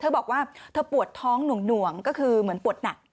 บอกว่าเธอปวดท้องหน่วงก็คือเหมือนปวดหนัก